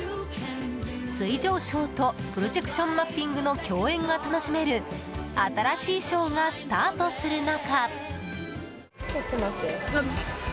水上ショーとプロジェクションマッピングの共演が楽しめる新しいショーがスタートする中。